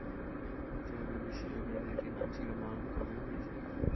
উত্তরে বিবিসি জানায় যে এটির নাম ছিল "মাউন্ট কমিউনিজম"।